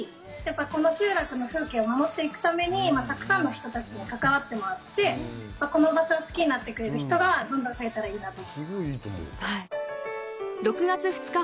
この集落の風景を守って行くためにたくさんの人たちに関わってもらってこの場所を好きになってくれる人がどんどん増えたらいいなと。